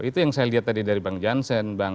itu yang saya lihat tadi dari bang jansen